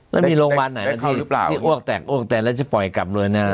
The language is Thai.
แล้วมีโรงพยาบาลไหนที่อ้วกแตกอ้วกแตกแล้วจะปล่อยกลับเลยนะ